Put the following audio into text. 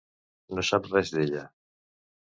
No saps res d'ella.